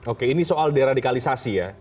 oke ini soal deradikalisasi ya